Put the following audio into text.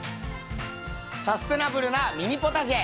サステナブルなミニポタジェみんな。